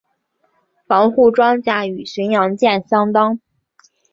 防护装甲与巡洋舰相当。